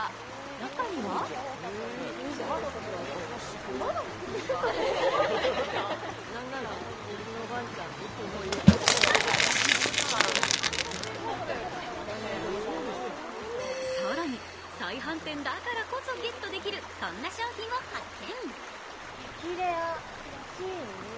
中には更に、再販店だからこそゲットできるこんな商品を発見。